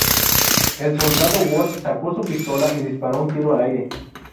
El soldado Wood sacó su pistola y disparó un tiro al aire.